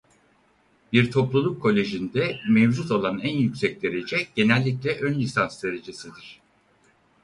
Bir topluluk kolejinde mevcut olan en yüksek derece genellikle önlisans derecesidir.